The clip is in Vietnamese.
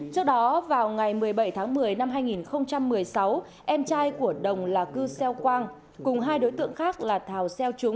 trước đó vào ngày một mươi bảy tháng một mươi năm hai nghìn một mươi sáu em trai của đồng là cư xeo quang cùng hai đối tượng khác là thảo xeo trúng